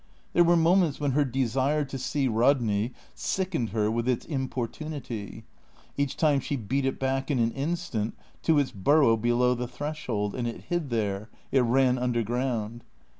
There were moments when her desire to see Rodney sickened her with its importunity. Each time she beat it back, in an instant, to its burrow below the threshold, and it hid there, it ran underground.